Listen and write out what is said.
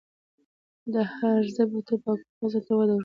د هرزه بوټو پاکول فصل ته وده ورکوي.